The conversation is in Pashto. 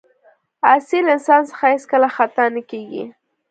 اصیل انسان څخه هېڅکله خطا نه کېږي.